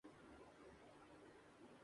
نئے آلات کی تنصیب